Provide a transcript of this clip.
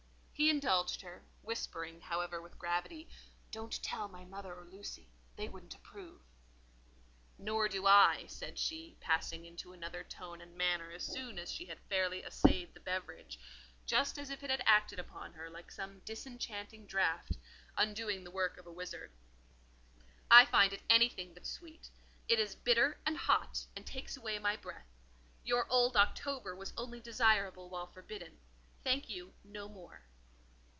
He indulged her, whispering, however, with gravity: "Don't tell my mother or Lucy; they wouldn't approve." "Nor do I," said she, passing into another tone and manner as soon as she had fairly assayed the beverage, just as if it had acted upon her like some disenchanting draught, undoing the work of a wizard: "I find it anything but sweet; it is bitter and hot, and takes away my breath. Your old October was only desirable while forbidden. Thank you, no more."